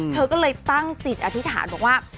เธอก็เลยตั้งจิตอธิษฐานบอกว่า